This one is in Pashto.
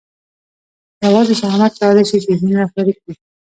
یوازې شهامت کولای شي چې ژوند رهبري کړي.